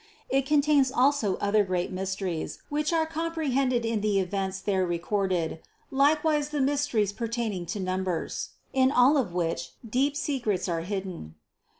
It contains also other great mysteries, which are comprehended in the events there recorded, likewise the mysteries pertaining to numbers, in all of which deep secrets are hidden.